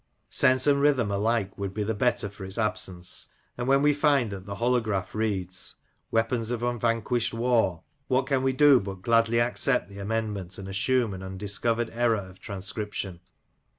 Sense and rhythm alike would be the better for its absence ; and when we find that the holograph reads " Weapons of unvanquished war," what can we do but gladly accept the amendment, and assume an undiscovered error of transcription